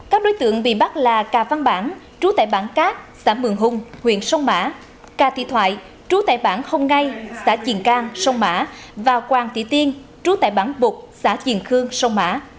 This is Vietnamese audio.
các đối tượng bị bắt là ca văn bản trú tại bản cát xã mường hùng huyện sông mã ca thị thoại trú tại bản hồng ngay xã triền cang sông mã và quàng tỉ tiên trú tại bản bục xã triền khương sông mã